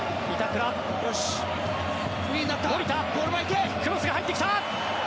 クロスが入ってきた！